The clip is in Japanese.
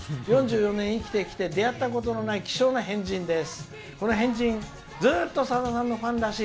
４４年、生きてきて出会ったことのない希少な変人です」。